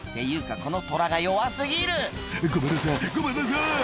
このトラが弱過ぎる「ごめんなさいごめんなさい！」